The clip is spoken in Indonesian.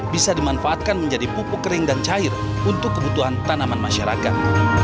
bisa dimanfaatkan menjadi pupuk kering dan cair untuk kebutuhan tanaman masyarakat